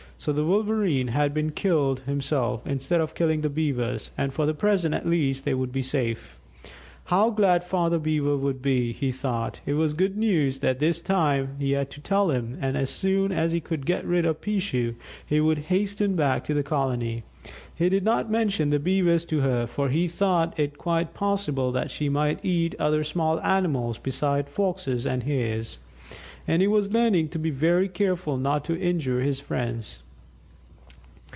So the Wolverene had been killed himself, instead of killing the Beavers, and for the present at least they would be safe. How glad Father Beaver would be, he thought; it was good news this time that he had to tell him, and as soon as he could get rid of "Peeshoo" he would hasten back to the colony. He did not mention the Beavers to her, for he thought it quite possible that she might eat other small animals besides Foxes and Hares; and he was learning to be very careful not to injure his friends.